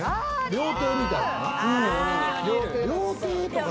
料亭みたいな？